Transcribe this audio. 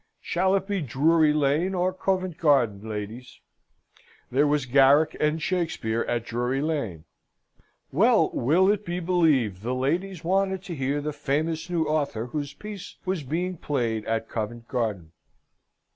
Shall it be Drury Lane or Covent Garden, ladies? There was Garrick and Shakspeare at Drury Lane. Well, will it be believed, the ladies wanted to hear the famous new author whose piece was being played at Covent Garden?